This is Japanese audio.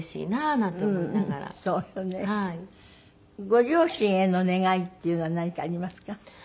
ご両親への願いっていうのは何かありますか？